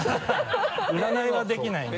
占いはできないので。